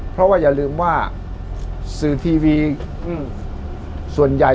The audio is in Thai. เพราะว่าอย่าลืมว่าสื่อทีวีส่วนใหญ่